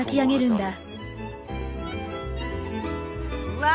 うわ